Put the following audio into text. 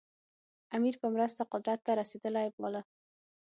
امیر په مرسته قدرت ته رسېدلی باله.